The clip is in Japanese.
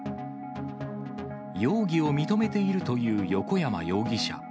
容疑を認めているという横山容疑者。